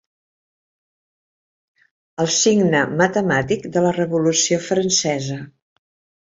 El signe matemàtic de la Revolució Francesa.